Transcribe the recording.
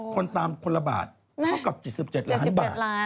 คนตามคนละบาทเท่ากับ๗๗ล้านบาท